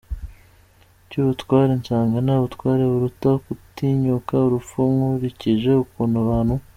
cyubutwari nsanga nta butwari buruta gutinyuka urupfu nkurikije ukuntu abantu.